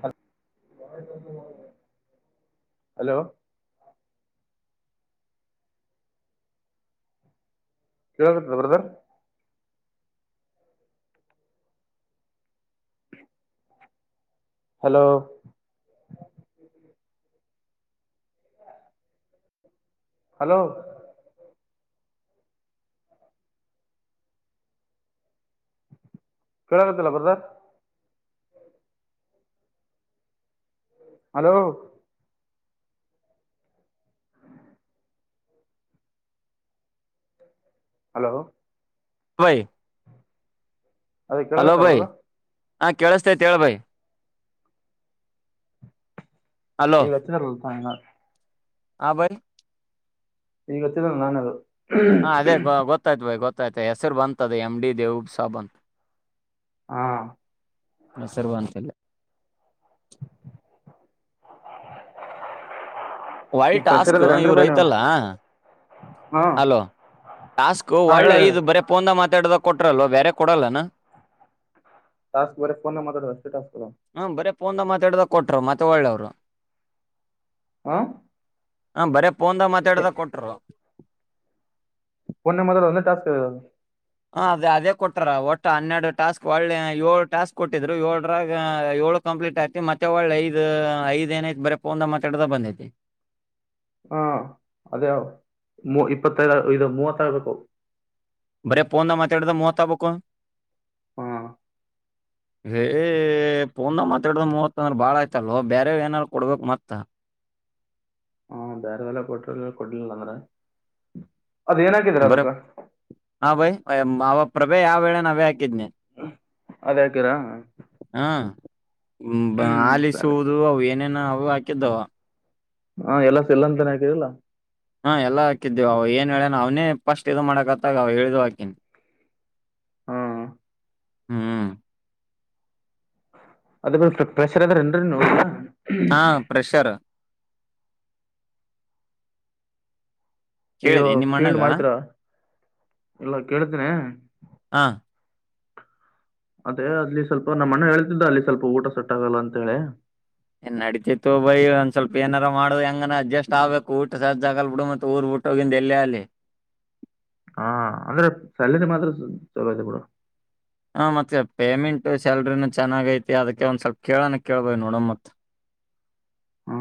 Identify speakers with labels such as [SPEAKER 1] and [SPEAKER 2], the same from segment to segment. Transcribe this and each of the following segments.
[SPEAKER 1] ಹಲ್ hello. ಕೇಳತ್ತದ brother. Hello. Hello. ಕೇಳಾತ್ತಲ್ಲ brother. Hello. Hello.
[SPEAKER 2] [unintelligible]
[SPEAKER 1] ಅದೇ
[SPEAKER 2] ಹಲೋ
[SPEAKER 1] ಕೆಳಗತ್ತದ
[SPEAKER 2] ಬೈ
[SPEAKER 1] ಬ್ರದರ್.
[SPEAKER 2] ಹಾ ಕೆಳಸ್ತೈತಿ ಹೇಳ ಬೈ. ಹಲೋ
[SPEAKER 1] ಈಗ ಹಚ್ಚಿದರಲ್ಪ ಹಂಗ ಅದ.
[SPEAKER 2] ಹಾ ಬೈ.
[SPEAKER 1] ಈಗ ಹಚ್ಚಿರೋದು ನಾನ ಅದು.
[SPEAKER 2] ಹಾ ಅದೇ ಗೊತ್ತಾಯ್ತು ಬೈ ಗೊತ್ತ. ತ್ತ ಹೆಸರ ಬಂತ ಅದ ಎಮ ಡಿ ದೇವುಬ್ ಸಾಬ್ಬ ಅಂತ.
[SPEAKER 1] ಹಾ
[SPEAKER 2] ಹೆಸರ ಬಂತ ಇಲ್ಲೇ. ಹೊಳ್ಳಿ
[SPEAKER 1] ಈಗ ಫ್ರೆಷರ್
[SPEAKER 2] ಟಾಸ್ಕ್
[SPEAKER 1] ಅದಾರ ಏನ್ರಿ
[SPEAKER 2] ಇವರ
[SPEAKER 1] ಬಾ ನೀವು
[SPEAKER 2] ಐತಲ್ಲಾ.
[SPEAKER 1] ಹಾ
[SPEAKER 2] ಹಲೋ ಟಾಸ್ಕ್
[SPEAKER 1] ಹಾ
[SPEAKER 2] ಹೊಳೆ
[SPEAKER 1] ಹೇಳಿ ಹೇಳಿ
[SPEAKER 2] ಇದ ಬರೆ ಫೋನ್ ದಾಗ ಮಾತಾಡುದ. ಕೊಟ್ರಲ್ಲೋ ಬ್ಯಾರೆ ಕೊಡಲನ್ನ.
[SPEAKER 1] ಟಾಸ್ಕ್ ಬರೆ ಫೋನಾಗ ಮಾತಡದ ಅಷ್ಟ ಟಾಸ್ಕ್ ಅದವ
[SPEAKER 2] ಹ್ಮ ಬರೇ ಫೋನ್ದಾಗ ಮಾತಾಡದಾಗ ಕೊಟ್ರು ಮತ್ತೆ ಒಳ್ಳವ್ರು
[SPEAKER 1] ಆ
[SPEAKER 2] ಆ ಬರೆ ಫೋನ್ದಾಗ ಮಾತಾಡದಾಗ ಕೊಟ್ರು
[SPEAKER 1] ಫೋನ್ನಾಗ ಮಾತಾಡೋದು ಒಂದೇ ಟಾಸ್ಕ್
[SPEAKER 2] ಹಾಂ ಅದೇ ಅದೇ ಕೊಟ್ಟಾರ ಒಟ್ಟು ಹನ್ನೆರಡು ಟಾಸ್ಕ್ ಒಳ್ಳೆ ಏಳು ಟಾಸ್ಕ್ ಕೊಟ್ಟಿದ್ರು ಏಳರಾಗ ಏಳು ಕಂಪ್ಲೀಟ್ ಆಯ್ತು ಮತ್ತೆ ಒಳ್ಳೆ ಐದು ಐದಏನೈತಿ ಬರೀ ಫೋನ್ದಾಗ ಮತ್ತಾಡದೆ ಬಂದೈತಿ.
[SPEAKER 1] ಹಾ ಅದೇ ಮೂ ಇಪ್ಪತ್ತೈದು ಇದು ಮೂವತ್ತಾಗಬೇಕು.
[SPEAKER 2] ಬರೇ ಪೋನ್ನಾಗ ಮಾತಾಡಿದ್ದು ಮೂವತ್ ಆಗಬೇಕು
[SPEAKER 1] ಹಾ
[SPEAKER 2] ಏ ಪೋನ ಮಾತಾಡುದ ಮೂವತ್ ಅಂದ್ರ ಬಾಳ ಆಯ್ತಲ್ವೊ ಬೇರೆ ಏನಾರ ಕೊಡ್ಬೇಕು ಮತ್ತ
[SPEAKER 1] [unintelligible] ಕೊಡ್ಲಿಲ್ಲಂದ್ರ ಅದೇ ಏನಾಕಿದ್ರಿ
[SPEAKER 2] ಬರೇ
[SPEAKER 1] ಅದಕ್ಕ
[SPEAKER 2] ಹಾ ಬೈ ಅವ ಪ್ರಭೆ ಯಾವ ಹೇಳೆನ ಅವೇ ಹಾಕಿದ್ನಿ
[SPEAKER 1] ಅದ ಹಾಕಿರಾ
[SPEAKER 2] ಆ
[SPEAKER 1] ಹ್ಮ್ ಸರಿ
[SPEAKER 2] ಆಲಿಸುವುದು ಅವ್ ಏನೇನ ಅವು ಹಾ [unintelligible]
[SPEAKER 1] ಹಾ ಎಲ್ಲ ಸೆಲ್ ಅಂತಾನೆ ಹಾಕಿರಲ್ಲ
[SPEAKER 2] ಹಾ ಎಲ್ಲ ಹಾಕಿದ್ದೇವು ಏನ್ ಹೇಳನ ಅವ್ನೇ ಪಸ್ಟ್ ಇದು ಮಾಡಕತ್ತಾಗ ಅವ ಹೇಳಿದ ಹಾಕಿನಿ
[SPEAKER 1] ಹ್ಮ್
[SPEAKER 2] ಹ್ಮ್
[SPEAKER 1] ಅದ ಬಿ ಪ್ರೆಷರ್ ಅದ್ರ ಏನ್ರರಿ ನೋಡ್
[SPEAKER 2] ಹಾ ಪ್ರೆಷರ್.
[SPEAKER 1] ಇವ
[SPEAKER 2] ಕೇಳಿದೆ ನಿಮ್ಮ
[SPEAKER 1] ಫೀಲ್ಡ್
[SPEAKER 2] ಅಣ್ಣಗ
[SPEAKER 1] ಮಾಡ್ತೀರಾ. ಇಲ್ಲ ಕೇಳತೇನ
[SPEAKER 2] ಹಾ.
[SPEAKER 1] ಅದೇ ಅಲ್ಲಿ ಸ್ವಲ್ಪ ನಮ್ಮ ಅಣ್ಣ ಹೇಳ್ತಿದ್ದ ಅಲ್ಲಿ ಸ್ವಲ್ಪ ಊಟ ಸೆಟ್ ಆಗಲ್ಲ ಅಂತ ಹೇಳಿ.
[SPEAKER 2] ಏ ನಡೆತೈತಿ ತೊಗೊ ಬೈ ಒಂದ್ ಸ್ವಲ್ಪ ಏನಾರ ಮಾಡದು ಹೆಂಗನ ಅಡ್ಜಸ್ಟ್ ಆಗ್ಬೇಕು ಊಟ ಸಜ ಆಗಲ ಬಿಡು ಮತ್ತ ಊರ ಬಿಟ್ಟೋಗಿಂದ ಎಲ್ಲೆ ಆಗ್ಲಿ.
[SPEAKER 1] ಹಾ ಅಂದ್ರ ಸಾಲರಿ ಮಾತ್ರ ಚಲೋ ಐತೆ ಬಿಡು.
[SPEAKER 2] ಹಾ ಮತ್ತೆ ಪೇಮೆಂಟು ಸ್ಯಾಲರಿನು ಚೆನ್ನಾಗ ಐತಿ ಅದಕ್ಕೆ ಒಂದ್ ಸ್ವಲ್ಪ ಕೇಳಣ ಕೇಳ ಬೈ ನೋಡುನು ಮತ್ತ.
[SPEAKER 1] ಹಾ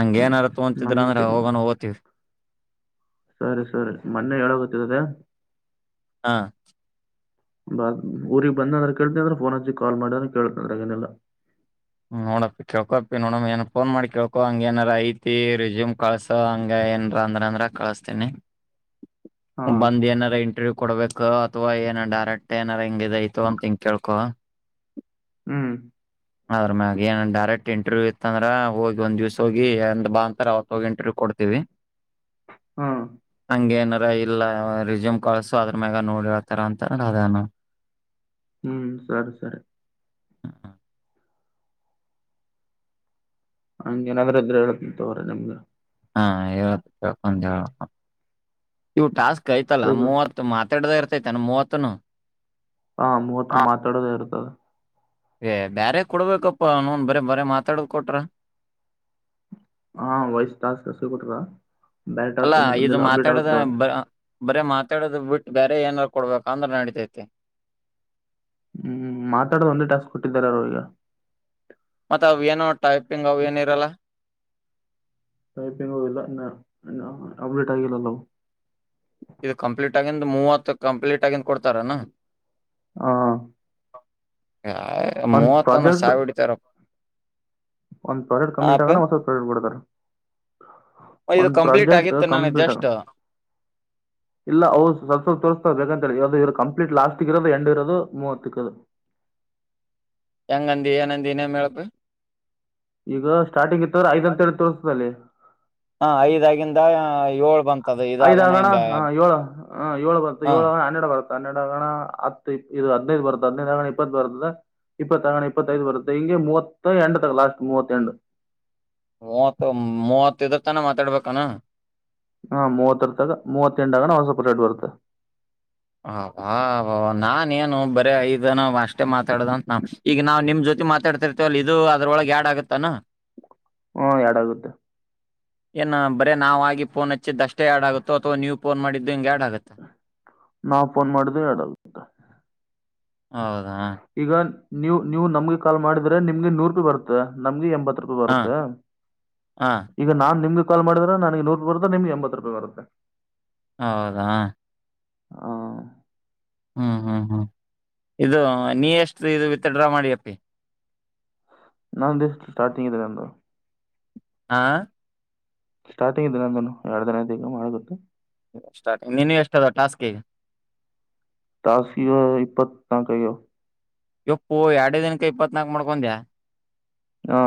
[SPEAKER 2] ಹಂಗ ಏನಾರ ತೊಂಗತಿದ್ರ ಅಂದ್ರೆ
[SPEAKER 1] ನಮ್ಗೆ
[SPEAKER 2] ಹೋಗೋನ ಹೋತೀವಿ.
[SPEAKER 1] ಸರಿ ಸರಿ ಮೊನ್ನೆ ಹೇಳಕತ್ತಿದೆ
[SPEAKER 2] ಹಾ.
[SPEAKER 1] ಬಾ ಊರಿಗ ಬಂದ ಅಂದ್ರ ಕೆಳಡ್ನಿ ಅಂದ್ರ ಫೋನ್ ಹಚ್ಚಿ ಕಾಲ್ ಮಾಡ್ಯಾರ ಕೇಳ್ತನ ಅದರಾಗ ಏನಿಲ್ಲ.
[SPEAKER 2] ನೋಡಪ್ಪಿ ಕೇಳ್ಕೊಪ್ಪಿ ನೋಡಮ ಏನ್ ಫೋನ್ ಮಾಡಿ ಕೇಳ್ಕೊ ಹಂಗ ಏನಾರ ಐತಿ ರಿಸ್ಯೂಮ್ ಕಳ್ಸ ಹಂಗ ಏನ್ರ ಅಂದರ ಅಂದ್ರ ಕಳಸ್ತೀನಿ.
[SPEAKER 1] ಹಾ
[SPEAKER 2] ಬಂದ್ ಏನಾರ ಇಂಟರ್ ವ್ಯೂ ಕೊಡ್ಬೇಕ. ಕ ಅಥವಾ ಏನ ಡೈರೆಕ್ಟ್ ಏನರ ಹಿಂಗ ಇದ ಐತ್ತೋ ಹಿಂಗ ಕೇಳ್ಕೊ.
[SPEAKER 1] ಹ್ಮ್
[SPEAKER 2] ಅದ್ರ ಮ್ಯಾಗ ಏ ಡೈರೆಕ್ಟ್ ಇಂಟರ್ವ್ಯ್ ಇತ್ತ ಅಂದ್ರ ಹೋಗಿ ಒಂದ ದಿವ್ಸ ಹೋಗಿ ಎಂದ ಬಾ ಅಂತಾರ ಅವತ್ತ ಹೋಗಿ ಇಂಟರ್ವ್ಯ್ ಕೊಡ್ತವಿ
[SPEAKER 1] ಹಾ
[SPEAKER 2] ಹಂಗ ಏನಾರ ಇಲ್ಲ ರಿಸ್ಯೂಮ್ ಕಳಸು ಅದ್ರ ಮ್ಯಾಗ ನೋಡಿ ಹೇಳ್ತಾರ ಅಂತ ಅದ.
[SPEAKER 1] ಹ್ಮ್ ಸರಿ ಸರಿ. ಹಂಗ ಏನಾದ್ರು ಇದ್ರ ಹೇಳ್ತನ ತೊಗೊ ರೆಸೂಮ್ ದು.
[SPEAKER 2] ಹಾ ಏನ ಅತ್ತ ಕೆಳಕೊಂಡ ಹೇಳಪ್ಪ ಇವ ಟಾಸ್ಕ್. ಕೈತಲ್ಲ ಮೂವ. [unintelligible] ಮೂವತ್ತನು.
[SPEAKER 1] ಹಾ ಮೂವತ್ರ
[SPEAKER 2] ಹಾ
[SPEAKER 1] ಮಾತಾಡೋದೇ ಇರ್ತದ
[SPEAKER 2] ಏ ಬ್ಯರೆ ಕೊಡ್ಬೇಕಪ್ಪಾ ನೂನ್ ಬರ ಬರ ಮಾತಾಡದ್ ಕೊಟ್ರೇ
[SPEAKER 1] ಹಾ ವಯಸ್ ತಸ್ ಕಸ ಕೊಟ್ರ
[SPEAKER 2] ಅಲ್ಲ ಇದು ಮಾತಾಡದ ಬ ಬರ ಮಾತಾಡದು ಬಿಟ್ಟು ಬೇರೆ ಏನಾರ ಕೊಡ್ಬೇಕು ಅಂದ್ರೆ ನಡೀತೈತೆ
[SPEAKER 1] ಹ್ಮ್ ಮಾತಾಡದು ಒಂದೇ ಟಾಸ್ಕ್ ಕೊಟ್ಟಿದಾರ ರೋ ಈಗ
[SPEAKER 2] ಮತ್ತ ಅವ ಏನೋ ಟೈಪಿಂಗ್ ಅವ ಏನಿರಲ್ಲ
[SPEAKER 1] ಟೈಪಿಂಗಲ್ಲ ಇ ಅಪ್ಲೀಟ್ ಆಗಿಲ್ಲ ಅವು
[SPEAKER 2] ಇದು ಕಂಪ್ಲೀಟ್ ಆಗಿಂದ ಮೂವತ್ತು ಕಂಪ್ಲೀಟ್ ಆಗಿಂದ ಕೊಡ್ತಾರನಾ
[SPEAKER 1] ಹಾ
[SPEAKER 2] ಯ
[SPEAKER 1] ಒಂದ್
[SPEAKER 2] ಮೂವತ್ತೊಂದ್ರ
[SPEAKER 1] ಪ್ರಾಜೆಕ್ಟ್
[SPEAKER 2] ಸಾವಿರ ಇಡ್ತಾರಪ್ಪ
[SPEAKER 1] ಒಂದ್ ಪ್ರಾಜೆಕ್ಟ್ ಕಂಪ್ಲೀಟ್ ಆಗಣ ಹೊಸ ಪ್ರ್ಲೆಟ್ ಬಡ್ತಾರೆ
[SPEAKER 2] ಇದು
[SPEAKER 1] ಒಂದು
[SPEAKER 2] ಕಂಪ್ಲೀಟ್
[SPEAKER 1] ಪ್ರಾಜೆಕ್ಟ್
[SPEAKER 2] ಆಗಿತ್ತು ನನಗ್
[SPEAKER 1] ಕಂಪ್ಯೂಟರ್
[SPEAKER 2] ಜಸ್ಟ್
[SPEAKER 1] ಇಲ್ಲ ಅ ತೋರಿಸಾ ದು ಇವರು ಕಂಪ್ಲೀಟ್ ಲಾಸ್ಟ್ ಇರೋದು ಎಂಡ್ ಇರೋದು ಮೂವತ್ತದು
[SPEAKER 2] ಹೆಂಗಂದಿ ಏನಂದ ಇನ್ನೊಮ್ಮೆ ಹೇಳಪ್ಪಿ
[SPEAKER 1] ಈಗ ಸ್ಟಾರ್ಟಿಂಗ್ ಇತ್ತವ್ರ ಐದ್ಂತೇಳ ತೋರ್ಸದಲ್ಲಿ
[SPEAKER 2] ಏಲೂ ಬಂತ
[SPEAKER 1] ಐದ ಆಗನ ಹ ಏಳ ಹ ಏಳ ಬರತ್ತ
[SPEAKER 2] ಹಾ
[SPEAKER 1] ಏಳ ಆಗನ ಹನ್ನೆರಡ ಬರತ್ತ. ಹನ್ನೇಡ ಆಗನ ಹತ್ತು ಇ ಇದ ಹದಿನೈದ ಬರ್ತ್ತದ ಹದಿನೈದ ಆಗನ ಇಪ್ಪತ್ತ ಬರ್ತದ ಇಪ್ಪ. ಇಪ್ಪತ್ತ ಆಗನ ಇಪ್ಪತ್ತೈದ ಬರುತ್ತೆ ಹಿಂಗೆ ಮೂವತ್ತ. ಎಂಡ್ ತಕ ಲಾಸ್ಟ್ ಮೂವತ್ತ ಎಂಡ್.
[SPEAKER 2] ಮೂವತ್ತು ಮೂವತ್ತ ಇದರ ತನಾ ಮಾತಾಡ್ಬೇಕನ.
[SPEAKER 1] ಹಾ ಮೂವತ್ತರ ತಕ ಮೂವತ್ತ ಎಂಡ್ ಆಗನ ಒಂದ ಸ್ವಲ್ಪ ರೆಡ್ ಬರುತ್ತ.
[SPEAKER 2] ಅಬ್ಬಾ ಅಬ್ಬಬ್ಬ ನಾನೇನು ಬರೇ ಐದ ಏನೋ ಅಷ್ಟೇ ಮಾತಾಡದಂತ ನ ಈಗ ನಾವ ನಿಮ್ಮ ಜೊತೆ ಮಾತಾಡ್ತಿರ್ತೇವಲ್ಲ ಇದು ಅದ್ರೊಳಗ ಯಾಡ್ ಆಗತ್ತನ.
[SPEAKER 1] ಹ್ಮ ಆಡ್ ಆಗುತ್ತೆ.
[SPEAKER 2] ಏನ್ ಬರ ನಾವ ಆಗ ಫೋನ್ ಹಚ್ಚಿದ್ದ್ ಅಷ್ಟೇ ಎರಡ್ ಆಗುತ್ತೋ ಅಥವಾ ನೀವು ಫೋನ್ ಮಾಡಿದ್ದು ಹಿಂಗಗೆ
[SPEAKER 1] ನಾ ಫೋನ್ ಮಾಡಿದೆ ಆಡಲ್ಂತ [unintelligible]
[SPEAKER 2] ಹಾ [unintelligible]
[SPEAKER 1] ಈಗ ನೀವು ನೀವು ನಮ್ಗೆ ಕಾಲ್ ಮಾಡಿದ್ರೆ ನಿಮ್ಗೆ ನೂರು ರೂಪಾಯಿ ಬರತ್ತೆ, ನಮ್ಗೆ ಎಂಬತ್ತು [unintelligible]
[SPEAKER 2] ಹಾಂ,
[SPEAKER 1] ಬರುತ್ತೆ.
[SPEAKER 2] ಹಾಂ.
[SPEAKER 1] ಈಗ ನಾನ್ ನಿಮ ಕಾಲ್ ಮಾಡದ್ರೆ ನನಗೆ ನೂರು ರೂಪಾಯಿ ಬರ್ತೆ, ನಿಮಗೆ ಎಂಬತ್ ರೂಪಾಯಿ ಬರುತ್ತೆ.
[SPEAKER 2] ಹೌದಾ
[SPEAKER 1] ಹ
[SPEAKER 2] ಹ್ಮ್ ಹ್ಮ್ ಹ್ಮ್, ಇದು ನೀ ಎಷ್ಟ್ ಇದು ವಿತ್ಡ್ರಾ ಮಾಡಿ ಅಪ್ಪಿ?
[SPEAKER 1] ನನ್ದ ಸ್ಟಾರ್ಟಿಂಗ್ ಇದ ಅ [unintelligible]
[SPEAKER 2] ಆ
[SPEAKER 1] ಸ್ಟಾರ್ಟಿಂಗ್ ಇದ್ದನಂದನು [unintelligible] ಎರಡು ದಿನ ಐತೆ ಈಗ ಮಾಡಗು [unintelligible]
[SPEAKER 2] [unintelligible] ನಿನ್ನೆ ಎಷ್ಟ ಅದ ಟಾಸ್ಕಿಗೆ
[SPEAKER 1] ತಾಸಿಗ್ ಇವಾಗ ಇಪ್ಪತ್ನಾಲ್ಕ್ ಆಗ್ಯಾವ.
[SPEAKER 2] ಯಪ್ಪೋ, ಎರಡೇ ದಿನಕ ಇಪ್ಪತ್ನಾಲ್ಕ್ ಮಾಡ್ಕೊಂಡ್ಯಾ?
[SPEAKER 1] ಹಾ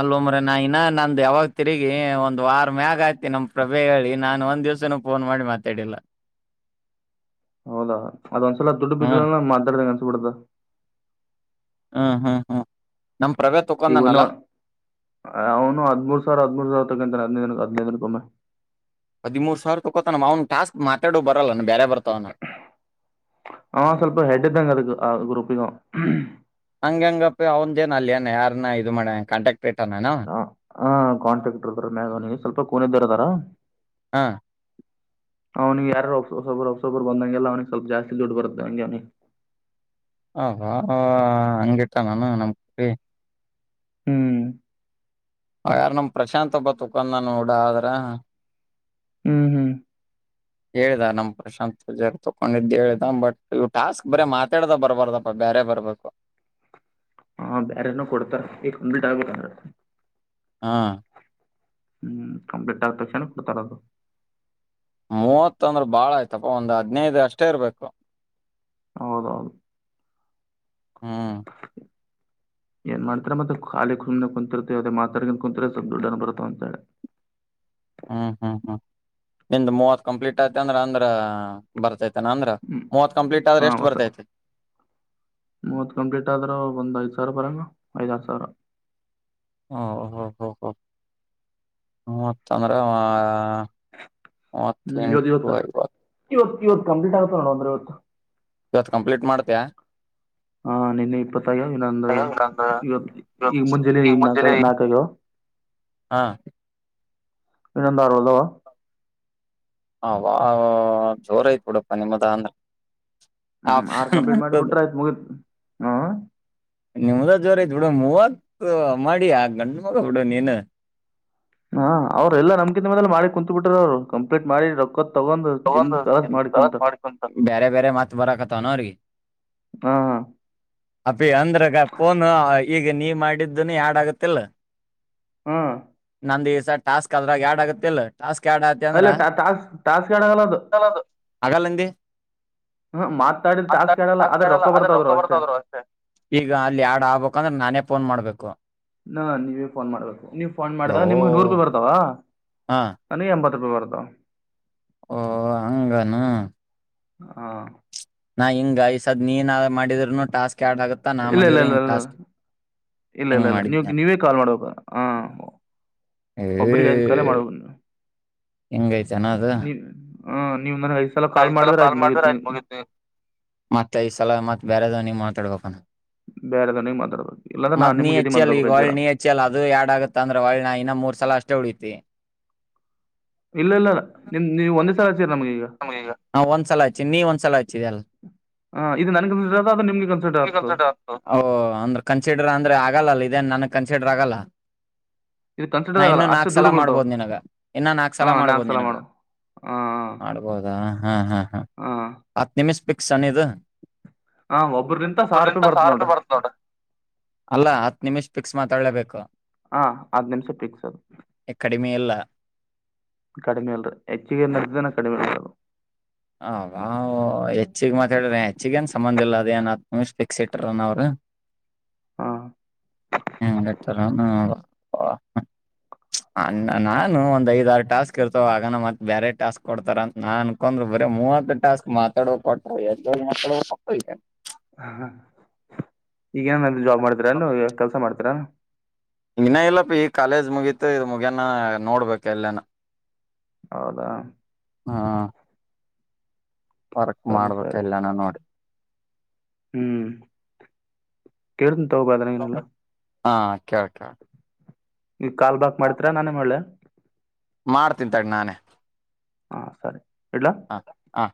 [SPEAKER 2] ಅಲ್ಲೋ ಮರಾಯ, ನಾ ಇನ್ನ ನಂದು ಯಾವಾಗ ತಿರುಗಿ ಒಂದ್ ವಾರ ಮ್ಯಾಗ ಆಯ್ತಿ ನಮ ಪ್ರಭೆಯ ಹೇಳಿ, ನಾನು ಒಂದ್ ದಿವ್ಸನೂ ಫೋನ್ ಮಾಡಿ ಮಾತಾಡಿಲ್ಲ.
[SPEAKER 1] ಹೌದಾ, ಅದೊಂದ್ಸಲ ದುಡ್ಡು
[SPEAKER 2] ಹ್ಮ್.
[SPEAKER 1] ಬಿದರನ ಮಾತಡದಂಗ ಅನ್ಸಬಿಡ್ತ
[SPEAKER 2] ಹಾ ಹಾ ಹಾ ನಮ್ ಪ್ರಬೆಯ
[SPEAKER 1] ಈಗ ಇನ್ನೂ
[SPEAKER 2] ತೊಕೊಂಡನಲ್ಲಾ?
[SPEAKER 1] ಅವನು ಹದ್ಮೂರ್ ಸಾವಿರ, ಹದ್ಮೂರ್ ಸಾವಿರ ತಕಂತಾನ, ಹದನೈದಿನಕೆ ಹದನೈದಿನಕ್ ಒಮ್ಮೆ
[SPEAKER 2] ಹದಿಮೂರ್ ಸಾವಿರ್ ತಗೋತಾನ ಅವ್ ಟಾಸ್ಕ್ ಮಾತಾಡೋ ಬರಲ್ಲ.
[SPEAKER 1] ಹ, ಸ್ವಲ್ಪ ಹೆಡ್ ಇದ್ದಂಗ ಅದಕ್ ಆ ಗ್ರೂಪ್ ಇದು [unintelligible]
[SPEAKER 2] ಹಂಗ ಹೆಂಗಪ್ಪಿ, ಅವಂದ್ಏನ್ ಅಲ್ಯನ ಯಾರನ್ನ ಇದು ಮಾಡನಾ, ಕಾಂಟ್ಯಾಕ್ಟ್ ಇಟ್ಟಾನೇನ
[SPEAKER 1] ಹ ಹ, ಕಾಂಟ್ರಾಕ್ಟರ್ ಇದರ ಮೇಘವನಿ, ಸ್ವಲ್ಪ ಕೋನ [unintelligible] ಇದ್ದಾರ
[SPEAKER 2] ಹಾ
[SPEAKER 1] ಅವನಿಗ್ ಯಾರು ಹೊಸಬರು? ಹೊಸಬರ್ ಬಂದಂಗೆಲ್ಲ ಅವ್ನಿಗೆ ಸ್ವಲ್ಪ ಜಾಸ್ತಿ ದುಡ್ಡು ಬರುತ್ತೆ, ಅವಂಗೆ ಅವನಿಗೆ.
[SPEAKER 2] ಹೌವಾ [unintelligible] ಹಾಂಗ ಇಟನ ಏನ [unintelligible]
[SPEAKER 1] ಹ್ಮ್
[SPEAKER 2] ಹಾಗಾರ ನಮ್ಮ ಪ್ರಶಾಂತ್ ಒಬ್ಬ ತುಖಂದ [unintelligible] ನೋಡ ಆದ್ರ
[SPEAKER 1] ಹ್ಮ್ ಹ್ಮ್
[SPEAKER 2] ಹೇಳ್ದ, ನಮ್ ಪ್ರಶಾಂತ್ ಪೂಜಾರಿ ತಕೊಂಡಿದ್ದು ಹೇಳ್ದ, ಬಟ್ ಇವ್ ಟಾಸ್ಕ್ ಬರೆ ಮಾತಾಡ್ದ ಬರ್ಬಾರ್ದಪ್ಪ, ಬೇರೆ ಬರ್ಬೇಕು.
[SPEAKER 1] ಹಾ ಬೇರೆನು ಕೊಡ್ತಾರ, ಇದ್ ಕಂಪ್ಲೀಟ್ ಆಗ್ಬೇಕಲ್ಲ.
[SPEAKER 2] ಹಾ
[SPEAKER 1] ಹ್ಮ್, ಕಂಪ್ಲೀಟ್ ಆದ್ ತಕ್ಷಣ ಕೊಡ್ತಾರದು.
[SPEAKER 2] ಮೂವತ್ತ ಅಂದ್ರ ಬಾಳ ಆಯ್ತಪ್ಪ, ಒಂದು ಹದ್ನೈದು ಅಷ್ಟೇ ಇರ್ಬೇಕು.
[SPEAKER 1] ಹೌದೌದು
[SPEAKER 2] ಹೂ
[SPEAKER 1] ಏನ್ ಮಾಡತಿರ ಮತ್ತೆ ಖಾಲಿ ಸುಮ್ನೆ ಕುಂತಿರ್ತೀವಿ, ಅದೇ ಮಾತಾಡಗಂಡ್ ಕುಂತರ ಸ್ವಲ್ಪ್ ದುಡ್ಡನ ಬರುತಾವ ಅಂತಾಳೆ.
[SPEAKER 2] ಹ್ಮ್ ಹ್ಮ್ ಹ್ಮ್, ನಿನ್ದ್ ಮೂವತ್ ಕಂಪ್ಲೀಟ್ ಆಯ್ತ ಅಂದ್ರೆ ಅಂದ್ರ ಬರ್ತೈತಿ ಅಂದ್ರ
[SPEAKER 1] ಹ್ಮ್
[SPEAKER 2] ಮೂವತ್ ಕಂಪ್ಲೀಟ್ ಆದ್ರ
[SPEAKER 1] ಹ
[SPEAKER 2] ಎಷ್ಟ್
[SPEAKER 1] ಹೊಸ ಮೂವತ್ತ ಕಂಪ್ಲೀಟ್ ಆದ್ರ ಒಂದ. ಸಾವಿರ ಬರಲ್ಲ ಐದಾರ ಸಾವಿರ.
[SPEAKER 2] ಹ ಓಹೋ ಹೊ ಮೂವತ್ತ ಅಂದ್ರ ಆ. ಮೂವತ್ತ
[SPEAKER 1] ಹ್ಮ್ ಇವತ್
[SPEAKER 2] ಇಂಟು ಐವತ್ತು.
[SPEAKER 1] ಇವತ್ ಇವತ್ತ ಕಂಪ್ಲೀಟ್ ಆಗ್ತದ ಅಂದ್ರ ಇವತ್ತ.
[SPEAKER 2] ಇವತ್ ಕಂಪ್ಲೀಟ್ ಮಾಡ್ತೀಯಾ
[SPEAKER 1] ಹಾ ನಿನ್ನೆ ಇಪ್ಪತ್ತ ಆಗ್ಯಾವ ಇನ್ನೊಂದ ಇವತ್ತ ಈಗ ಮುಂಜಾನೆ
[SPEAKER 2] ಈಗ
[SPEAKER 1] ನಾಕ
[SPEAKER 2] ಮುಂಜೆಲೆ
[SPEAKER 1] ನಾಕ ಆಗ್ಯಾವ.
[SPEAKER 2] ಹಾ
[SPEAKER 1] ಇನ್ನೊಂದ ಆರ ಉಳದವ.
[SPEAKER 2] ಅಬ್ಬಾ ಅಬ್ಬಬ್ಬಾ ಜೋರ ಐತ ಬಿಡಪ್ಪ ನಿಮ್ಮದ ಅಂದ್ರ.
[SPEAKER 1] ಹ್ಮ್ ಆರ್
[SPEAKER 2] ಆಪ್ಷನ್
[SPEAKER 1] ಕಂಪ್ಲೀಟ್
[SPEAKER 2] ಆಗ್ತದ
[SPEAKER 1] ಮಾಡಬಿಟ್ರ ಆಯ್ತ ಮುಗಿತ ಹ್ಮ.
[SPEAKER 2] ರ ಐತ ಬಿಡ ಮೂವತ್ತ ಮಾಡಿಯ ಗಂಡಮಗಾ ಬಿಡು ನೀನ.
[SPEAKER 1] ಹಾ ಅವರೆಲ್ಲ ನಮ್ಕಿಂತ ಮದಲ ಮಾಡಿ ಕುತ್ಬಿಟ್ರ ಅವ್ರು ಕಂಪ್ಲೀಟ್ ಮಾಡಿ ರೊಕ್ಕ. ತಗೊಂಡ್ ತಿಂದ್ ಕಲಸ್ ಮಾಡಿ ಕುಂತಾರ
[SPEAKER 2] ಬ್ಯಾರೆ ಬ್ಯಾರೆ ಮತ್ತ ಬರಕತ್ತವನ ಅವ್ರಿಗೆ.
[SPEAKER 1] ಹಾ
[SPEAKER 2] ಅಂದ್ರಗ ಪೋನು ಈಗ ನೀ ಮಾಡಿದ್ದುನು ಯಾಡ್ ಆಗತ್ತಿಲ್ಲ
[SPEAKER 1] ಹ್ಮ
[SPEAKER 2] ನಂದ್ ಈ ಸಲ ಟಾಸ್ಕ್ ಅದ್ರಗ ಯಾಡ್ ಆಗುತ್ತಿಲ್ಲ ಟಾಸ್ಕ್
[SPEAKER 1] ಅಲ್ಲ ಟಾಸ್ಕ್ ಟಾಸ್ಕ್ ಯಾಡ
[SPEAKER 2] ಹಾಗಲ್ಲಂದಿ
[SPEAKER 1] ಹ್ಮ ಮಾತಾಡಿದ ಟಾಸ್ಕ್ ಆ್ಯಡ್ ಆಗಲ್ಲ ಆದ್ರ
[SPEAKER 2] ಆದ್ರೆ ರೊಕ್ಕ
[SPEAKER 1] ಬರ್ತಾವ್ರು
[SPEAKER 2] ಬರ್ತದ್ರು ಅಷ್ಟೇ ಈಗ ಅಲ್ಲಿ ಆಡ್ ಆಗಬೇಕಂದ್ರೆ ನಾನೇ ಫೋನ್ ಮಾಡ್ಬೇಕು
[SPEAKER 1] ನಾ ನೀವೇ ಫೋನ್ ಮಾಡ್ಬೇಕು ನೀವ್ ಫೋನ್ ಮಾಡಿದಾಗ ನಿಮ್ಗ ನೂರು ರೂಪಾಯಿ ಬರ್ತಾವ.
[SPEAKER 2] ಆ
[SPEAKER 1] ತೊಂಬತ್ ರೂಪಾಯಿ ಬರ್ದ
[SPEAKER 2] ಓ ಹಂಗಾನ
[SPEAKER 1] ಹಾ
[SPEAKER 2] ನಾ ಹಿಂಗ ಈಸದ್ ನೀನ್ ನಾವೆ ಮಾಡಿದ್ನು ಟಾಸ್ಕ್ ಆ್ಯಡ್ ಆಗತ್ತಾ ನಾ
[SPEAKER 1] ಇಲ್ಲ ಇಲ್ಲ
[SPEAKER 2] ಮಾಡಿದ್ರು
[SPEAKER 1] ಇಲ್ಲ
[SPEAKER 2] ಹಿಂಗ
[SPEAKER 1] ಇ
[SPEAKER 2] ಟಾಸ್ಕ್
[SPEAKER 1] ಇಲ್ಲ ಇಲ್ಲ
[SPEAKER 2] ಹೆಂಗ್
[SPEAKER 1] ಇಲ್ಲ
[SPEAKER 2] ಮಾಡಿದ್
[SPEAKER 1] ನೀವ
[SPEAKER 2] ನಾನ್
[SPEAKER 1] ನೀವೇ ಕಾಲ್ ಮಾಡಬೇಕ ಹ ಒಬ್ಬ್ರಿಗೆ ಐದ ಕಾಲೆ ಮಾಡಬುದನ್ನು
[SPEAKER 2] ಇಂಗಾಯಿತಣ್ಣ ಅದು
[SPEAKER 1] ಹ
[SPEAKER 2] ಐದ ಸಲಾ ಕಾಲ್ ಮಾಡಿದ್ರ ಆಯ್ತ ಮುಗಿತ ಮತ್ತ ಐದ ಸಲ ಮತ್ತ ಬ್ಯಾರೆದವನಿಗೆ ಮಾತಾಡ್ಬೇಕನ.
[SPEAKER 1] ಬೇರೆದವ್ನಿಗೆ ಮಾತಾಡ್ಬೇಕು ಇಲ್ಲಾಂದ್ರೆ ನಾನು
[SPEAKER 2] ಮತ್ತ ನೀ
[SPEAKER 1] ನಿಮ್ಮ ಜೊತೆ
[SPEAKER 2] ಹಚ್ಚಿ ಅಲ್ಲ ಈಗ
[SPEAKER 1] ಮಾತಾಡ್ಬೇಕು ಐದು
[SPEAKER 2] ಹೊಳ್ಳಿ
[SPEAKER 1] ಸಲ
[SPEAKER 2] ನೀ ಹಚ್ಚಿ ಅಲ್ಲ ಅದು ಯಾಡ್ ಆಗತ್ತ ಅಂದ್ರ ಹೊಳ್ಳ ನಾ ಇನ್ನ ಮೂರ ಸಲ ಅಷ್ಟೇ ಉಳಿತಿ.
[SPEAKER 1] ಇಲ್ಲ ಇಲ್ಲ ನಿಮ್ ನೀವ ಒಂದೇ ಸಲ ಹಚೀರಿ ನಮಗೆ.
[SPEAKER 2] ಒಂದ್ಸಲ ಹಚ್ಚಿನ ನೀ ಒಂದ್ಸಲ ಹಚ್ಚಿದೀ ಅಲ್ಲ
[SPEAKER 1] ಹಾಂ ಇದು ನನಗೆ ಕನ್ಸಿಡರ್ ಆಗ್ತದೆ ಅದು ನಿಮಗೆ ಕನ್ಸಿಡರ್ ಆಗ್ತದೆ
[SPEAKER 2] [unintelligible] ಅಂದ್ರ ಕನ್ಸಿಡರ್ ಅಂದ್ರ ಆಗಲ್ಲ ಅಲ್ಲ ಇದೇನ ನನಗ. ಕನ್ಸಿಡರ್ ಆಗಲ್ಲ.
[SPEAKER 1] ಇದು
[SPEAKER 2] ನಾ
[SPEAKER 1] ಕನ್ಸಿಟದಾಗಲ್ಲ
[SPEAKER 2] ಇನ್ನು
[SPEAKER 1] ಅಷ್ಟು
[SPEAKER 2] ನಾಕ್ ಸಲ
[SPEAKER 1] ದುಡುಬಳತವು
[SPEAKER 2] ಮಾಡ್ಬೋದ್ ನಿನಗ ಇನ್ನ ನಾಕ್
[SPEAKER 1] ಹ ನಾಂಗ ಸಲ ಮಾಡು ಹ
[SPEAKER 2] ಹೌದಾ ಹಾ ಹಾ ಹತ್ತು ನಿಮಿಷ ಬಿಟ್ಟು ಸನಧ
[SPEAKER 1] ಹಾಂ ಒಬ್ರಿಂದ
[SPEAKER 2] ಒ
[SPEAKER 1] ಸಾವಿರ ಬರ್ತದೆ
[SPEAKER 2] ಸಾವಿ ರೂಪಾಯಿ
[SPEAKER 1] ನೋಡಿರಿ
[SPEAKER 2] ಬರ್ತ ನೋಡ್ರ ಅಲ್ಲಾ ಹತ್ತು ನಿಮಿಷ ಿಕ್ಸ್ ಮಾತಾಡ್ಲೇಬೇಕು
[SPEAKER 1] ಹಾ ಆ ನಿಮಿಷ ಿಕ್ಸ್ದು
[SPEAKER 2] ಕಡಿಮೆ ಇಲ್ಲ
[SPEAKER 1] ಕಡಿಮೆ ಅಲ್ರ ಹೆಚ್ಚುಿಗೆ ನ್ರನ ಕಡಿಮೆ ಇಲ್ದು
[SPEAKER 2] ಹ ಬಾ್ ಹೆಚ್ಚಿಗೆ ಮಾತಾಡಿದ್ರ ಹೆಚ್ಚಿಗೇಏನ್ ಸಂಬಂಧ ಇಿಲ್ಲ ಅದೇಏನ್ ಹತ್ ನಿಮಿಷ ಿಕ್ಸ್ ಇಟ್ರನ ಅವ್ರರು ಹ್ಮ್ತ ಹ್ಮ ನಾನು ಒಂದ್ ಐದಾರು ಟಾಸ್ಕ್ ಇರ್ತವ ಆಗನ ಮತ್ತ ಬೇರೆ ಟಾಸ್ಕ್ ಕೊಡ್ತಾರ ನಾನ್ ಅನ್ಕೊಂಡ್ ಬರ ಮೂ ಆಂತ ಾಸ್ಕ್ ಮಾತಾಡವೋ ಕೊಟ್ಟ ಮಾ
[SPEAKER 1] ಹಾ ಈಗೇನ ಜಾಬ್ ಮಾಡ್ತರ ಕೆಲಸ ಮಾಡ್ತರಾ
[SPEAKER 2] ಇಂಗನ ಇಲ್ಲಪ್ಪ ಈ ಕಾಲೇಜ್ ಮುಗೀತು ಇ ಮುಗಿಯಾನ ನೋಡ್ಬೇಕ ಎಲ್ಲೇನ
[SPEAKER 1] ಹೌದಾ
[SPEAKER 2] ಹಾ ವರ್ಕ್
[SPEAKER 1] ಸರಿ
[SPEAKER 2] ಮಾಡ್ಬೇಕ
[SPEAKER 1] ಸರಿ
[SPEAKER 2] ಎಲ್ಲ ನಾ ನೋಡಿ
[SPEAKER 1] ಹ್ಮ್ ಕೆರ್ ಹೋಗಾದ್ರೆ ಲ್ಲ
[SPEAKER 2] ಹಾ ಕಳ್ ಕ
[SPEAKER 1] ಈ ಕಾಲ್ ಬ್ಯಾಕ್ ಮಾಡತ್ರರ ನಾನೇ ಮಾಡಲಾ
[SPEAKER 2] ಮಾಡ್ತೀನಿ ತಡಿ ನಾನೇ
[SPEAKER 1] ಹಾ ಸರಿ ಇಡ್ಲಾ?
[SPEAKER 2] ಹ ಹಾ